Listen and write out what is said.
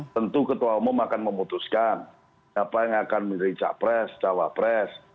tentu ketua umum akan memutuskan apa yang akan menerica pres cawa pres